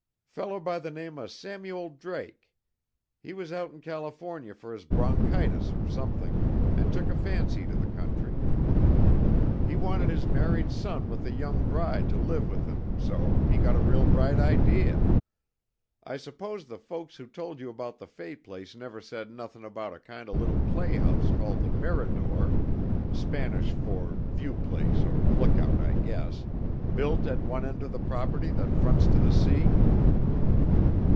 Feller by the name of Samuel Drake. He was out in California for his bronchitis or something, and took a fancy to the country. He wanted his married son with a young bride to live with him, so he got a real bright idea. I suppose the folks who told you about the Fay place never said nothing about a kind of little playhouse called the Mirador (Spanish for view place or look out, I guess), built at one end of the property that fronts to the sea?"